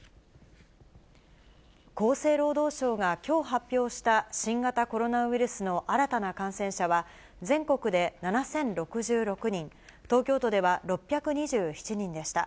厚生労働省がきょう発表した新型コロナウイルスの新たな感染者は、全国で７０６６人、東京都では６２７人でした。